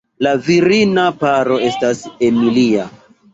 La virina paro estas Emilia.